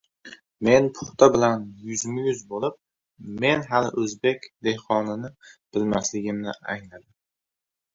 Men paxta bilan yuzma-yuz bo‘lib... men hali o‘zbek dehqonini bilmasligimni angladim.